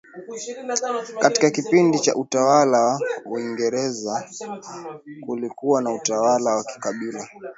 Katika kipindi cha utawala wa Waingereza kulikuwa na utawala wa kikabila